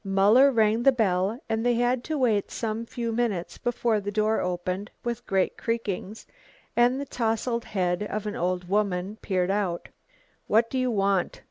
Muller rang the bell and they had to wait some few minutes before the door opened with great creakings, and the towsled head of an old woman peered out. "What do you want?"